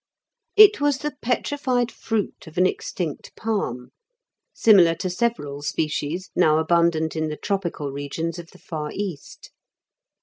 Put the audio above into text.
It was the petrified fruit of an extinct palm, similar to several species now abundant in the tropical regions of the far East.